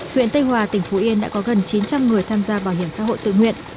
huyện tây hòa tỉnh phú yên đã có gần chín trăm linh người tham gia bảo hiểm xã hội tự nguyện